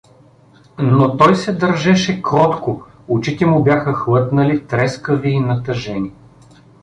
Но той се държеше кротко, очите му бяха хлътнали, трескави и натъжени.